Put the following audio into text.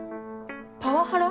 パワハラ？